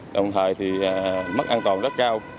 đồng thời mất an toàn rất cao